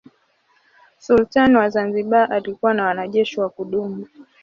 Sultani wa Zanzibar alikuwa na wanajeshi wa kudumu.